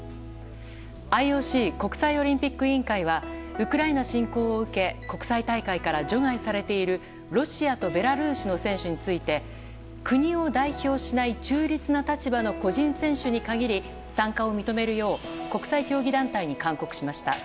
ＩＯＣ・国際オリンピック委員会はウクライナ侵攻を受け国際大会から除外されているロシアとベラルーシの選手について国を代表しない中立な立場の個人選手に限り参加を認めるよう国際競技団体に勧告しました。